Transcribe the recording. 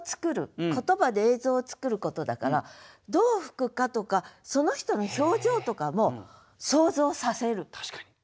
言葉で映像をつくることだからどう吹くかとかその人の表情とかも想像させる。